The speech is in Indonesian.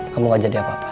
kamu gak jadi apa apa